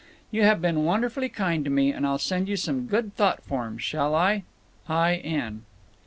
You have been wonderfully kind to me, and I'll send you some good thought forms, shall I? I. N.